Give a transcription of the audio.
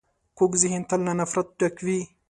کوږ ذهن تل له نفرت نه ډک وي